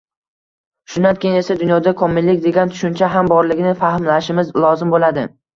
Shundan keyin esa dunyoda komillik degan tushuncha ham borligini fahmlashimiz lozim bo‘ladi.